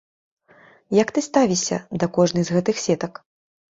Як ты ставішся да кожнай з гэтых сетак?